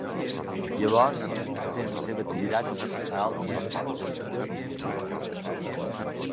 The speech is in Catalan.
Llavors, estén la seva activitat a altres esports.